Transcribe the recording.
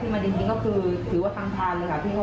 คือแบบบินแล้วเหมือนกับตอนบ้านบินแล้วอะไรแบบนี้ค่ะ